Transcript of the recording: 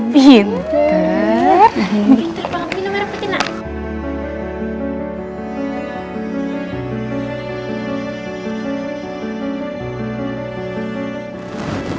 pintar banget minum merah putih nak